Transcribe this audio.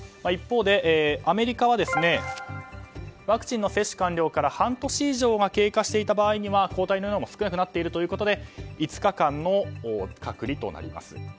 一方でアメリカはワクチンの接種完了から半年以上が経過していた場合には抗体の量も少なくなっているということで５日間の隔離となります。